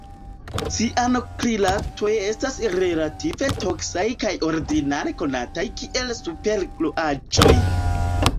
Cianoakrilatoj estas relative toksaj kaj ordinare konataj kiel supergluaĵoj.